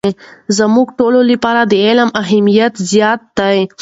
زموږ ټولو لپاره د علم اهمیت زیات دی.